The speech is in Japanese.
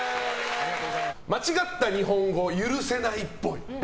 間違った日本語許せないっぽい。